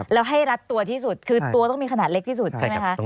แล้วให้รัดตัวที่สุดคือตัวต้องมีขนาดเล็กที่สุดใช่ไหมคะ